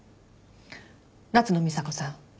夏野美紗子さん